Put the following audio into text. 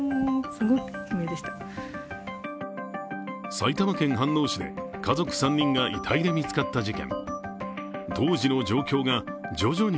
埼玉県飯能市で家族３人が遺体で見つかった事件。